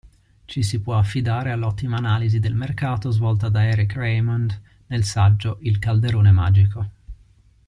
Ci si può affidare all'ottima analisi del mercato svolta da Eric Raymond nel saggio "Il calderone magico".